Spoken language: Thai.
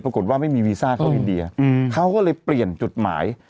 ปรากฏว่าไม่มีวีซ่าเข้าอินเดียเขาก็เลยเปลี่ยนจุดหมาย